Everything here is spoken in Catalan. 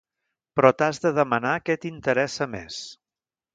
Però t’has de demanar què t’interessa més.